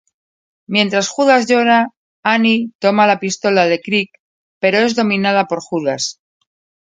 Mientras Judas llora, Annie toma la pistola de Creek pero es dominada por Judas.